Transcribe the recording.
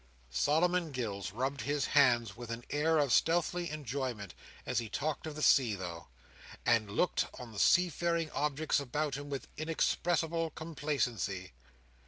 Solomon Gills rubbed his hands with an air of stealthy enjoyment, as he talked of the sea, though; and looked on the seafaring objects about him with inexpressible complacency.